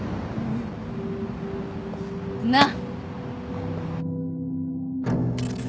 なっ？